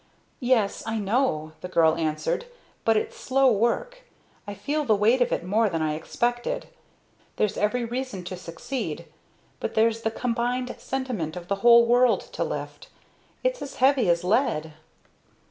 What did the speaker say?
"Yes I know," the girl answered. "But its slow work. I feel the weight of it more than I expected. There's every reason to succeed, but there's the combined sentiment of the whole world to lift it's as heavy as lead."